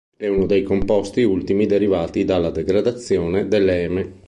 È uno dei composti ultimi derivati dalla degradazione dell'eme.